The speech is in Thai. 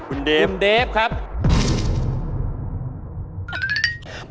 คุณเดฟครับอ่ะทราบ